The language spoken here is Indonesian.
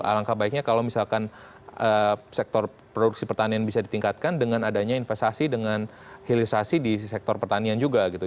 alangkah baiknya kalau misalkan sektor produksi pertanian bisa ditingkatkan dengan adanya investasi dengan hilirisasi di sektor pertanian juga gitu